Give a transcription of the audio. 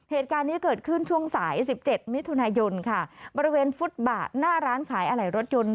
เหตุการณ์นี้เกิดขึ้นช่วงสาย๑๗มิยบริเวณฟุตบาทหน้าร้านขายอาหลายรถยนต์